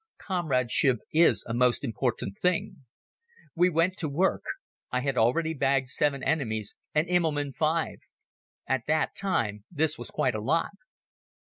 Comradeship is a most important thing. We went to work. I had already bagged seven enemies and Immelmann five. At that time this was quite a lot.